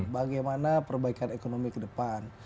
bagaimana perbaikan ekonomi ke depan